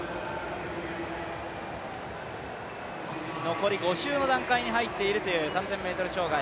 残り５周の段階に入っているという３０００ｍ障害。